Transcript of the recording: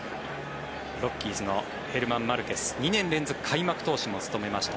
ロッキーズのヘルマン・マルケス２年連続開幕投手も務めました。